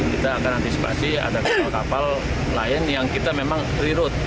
kita akan antisipasi ada kapal kapal lain yang kita memang reroute